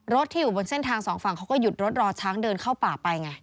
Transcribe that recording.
ที่อยู่บนเส้นทางสองฝั่งเขาก็หยุดรถรอช้างเดินเข้าป่าไปไง